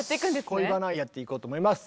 「恋バナ」やっていこうと思います。